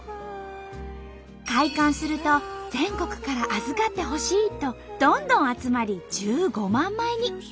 開館すると全国から預かってほしいとどんどん集まり１５万枚に。